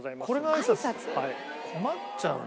困っちゃうな。